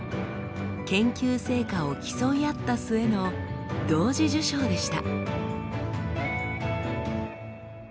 研究成果を競い合った末の同時受賞でした。